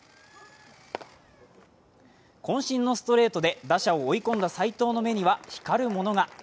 こん身のストレートで打者を追い込んだ斎藤の目には光るものが。